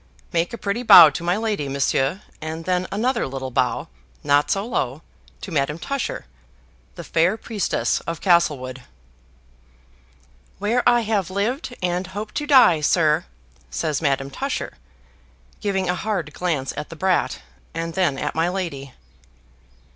"Make a pretty bow to my lady, Monsieur; and then another little bow, not so low, to Madame Tusher the fair priestess of Castlewood." "Where I have lived and hope to die, sir," says Madame Tusher, giving a hard glance at the brat, and then at my lady.